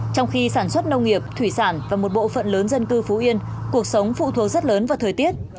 trong khi sản xuất nông nghiệp thủy sản và một bộ phận lớn dân cư phú yên cuộc sống phụ thuộc rất lớn vào thời tiết